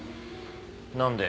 何で？